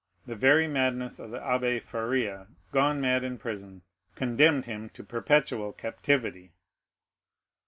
The very madness of the Abbé Faria, gone mad in prison, condemned him to perpetual captivity.